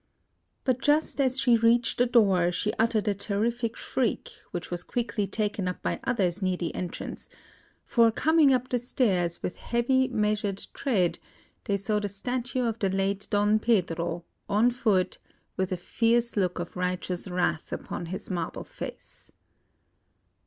But just as she reached the door she uttered a terrific shriek, which was quickly taken up by others near the entrance; for coming up the stairs with heavy, measured tread, they saw the Statue of the late Don Pedro, on foot, with a fierce look of righteous wrath upon its marble face!